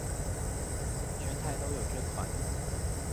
全台都有這款